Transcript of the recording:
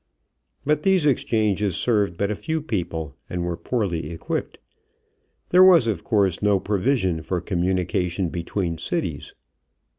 But these exchanges served but a few people, and were poorly equipped. There was, of course, no provision for communication between cities.